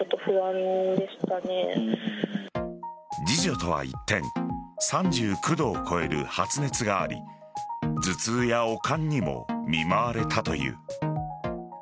次女とは一転３９度を超える発熱があり頭痛や悪寒にも見舞われたという。